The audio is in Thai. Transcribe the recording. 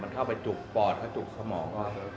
มันเข้าไปจุกปอดและจุกสมอง